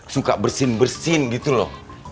suka bersin bersin gitu loh